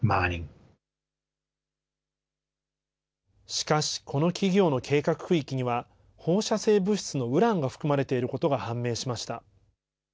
しかし、この企業の計画区域には、放射性物質のウランが含まれていることが判明しました。